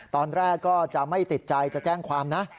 ตอนแรกก็จะไม่ติดใจจะแจ้งความนะ